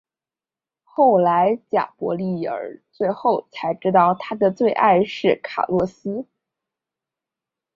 后来贾柏莉儿最后才知道她的最爱是卡洛斯。